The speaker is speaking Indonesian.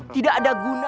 tidak ada guna